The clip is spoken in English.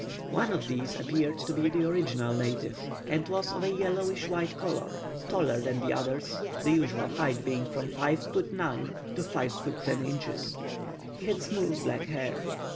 One of these appeared to be the original native, and was of a yellowish white colour, taller than the others, the usual height being from five foot nine to five foot ten inches; he had smooth black hair.